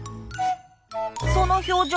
その表情